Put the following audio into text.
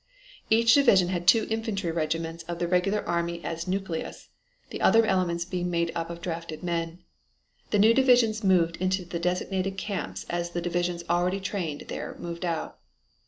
Each division had two infantry regiments of the regular army as nucleus, the other elements being made up of drafted men. The new divisions moved into the designated camps as the divisions already trained there moved out.